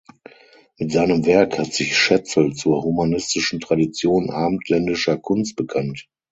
Mit seinem Werk hat sich Schätzl zur humanistischen Tradition abendländischer Kunst bekannt.